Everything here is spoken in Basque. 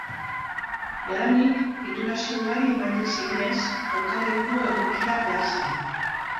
Jadanik titulazio ugari ematen zirenez, kokaleku egokia behar zen.